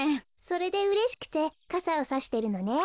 それでうれしくてかさをさしてるのね。